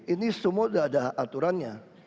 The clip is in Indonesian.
ini semua sudah ada aturannya